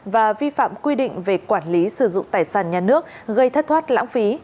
và vi phạm quy định về quản lý sử dụng tài sản nhà nước gây thất thoát lãng phí